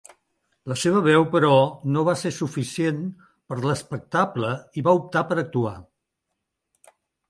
La seva veu, però, no va ser suficient per a l"espectable i va optar per actuar.